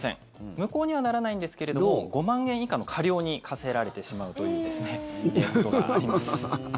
無効にはならないんですけれども５万円以下の過料に科せられてしまうということがあります。